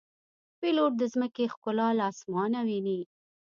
پیلوټ د ځمکې ښکلا له آسمانه ویني.